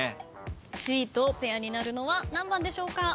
Ｃとペアになるのは何番でしょうか？